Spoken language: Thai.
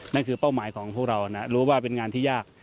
นั่นคือเป้าหมายของเราเรารู้ว่าเป็นงานที่ยาก